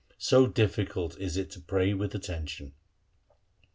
So difficult is it to pray with attention.